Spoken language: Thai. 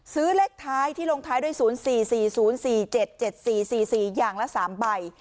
เลขท้ายที่ลงท้ายด้วย๐๔๔๐๔๗๗๔๔๔อย่างละ๓ใบ